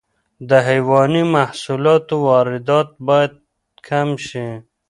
د حیواني محصولاتو واردات باید کم شي.